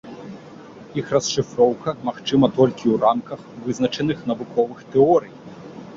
Іх расшыфроўка магчымая толькі ў рамках вызначаных навуковых тэорый.